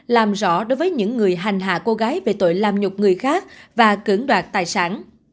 làm rõ đối với những người hành hạ cô gái về tội làm nhục người khác và cưỡng đoạt tài sản